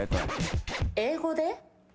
英語で？